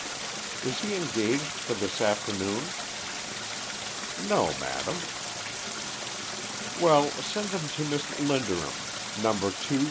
"Is he engaged for this afternoon?" "No, madam." "Well, send him to Miss Linderham, No.